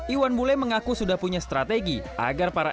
iwan bule mengaku sudah punya strategi untuk mengembangkan kondisi tersebut